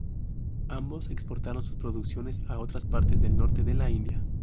Ambos exportaron sus producciones a otras partes del norte de la India.